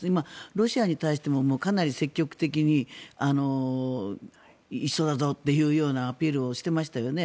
ロシアに対してもかなり積極的に一緒だぞというアピールをしてましたよね。